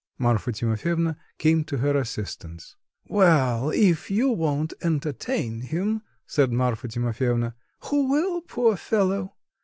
Marfa Timofyevna came to her assistance. "Well, if you won't entertain him," said Marfa Timofyevna, "who will, poor fellow?